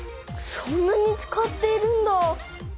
そんなに使っているんだ。